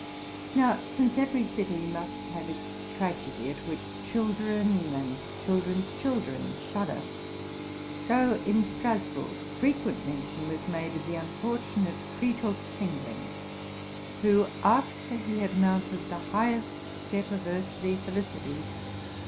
Now, since every city must have its tragedy, at which children and children's children shudder ; so in Strasburg fre quent mention was made of the unfortunate Preetor Kling ling, who, after he had mounted the highest step of earthly felicity.